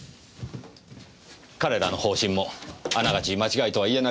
彼らの方針もあながち間違いとは言えないと思いますよ。